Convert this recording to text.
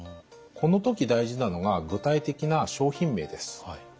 この時大事なのが具体的な商品名です。